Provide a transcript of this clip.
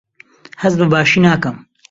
هەست بەباشی ناکەم.